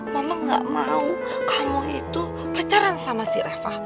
mama gak mau kamu itu pacaran sama si reva